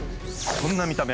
こんな見た目。